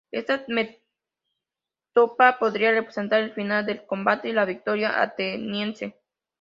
Esta metopa podría representar el final del combate y la victoria ateniense.